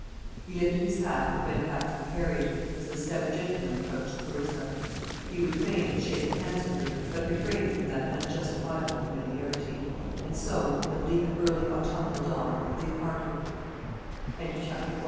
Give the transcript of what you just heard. He lifted his hat and went back to the carriage, as the stout gentleman approached Clarissa. He would fain have shaken hands with her, but refrained from that unjustifiable familiarity. And so, in the bleak early autumnal dawn, they parted. CHAPTER II.